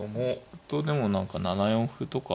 引くとでも何か７四歩とか。